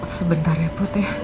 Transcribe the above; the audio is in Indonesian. sebentar ya putih